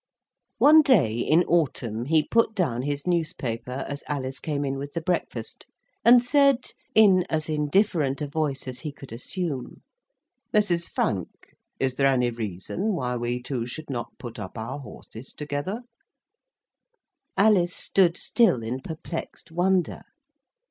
One day in autumn he put down his newspaper, as Alice came in with the breakfast, and said, in as indifferent a voice as he could assume: "Mrs. Frank, is there any reason why we two should not put up our horses together?" Alice stood still in perplexed wonder.